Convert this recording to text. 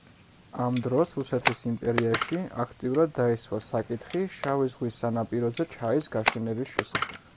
ამ დროს რუსეთის იმპერიაში აქტიურად დაისვა საკითხი შავი ზღვის სანაპიროზე ჩაის გაშენების შესახებ.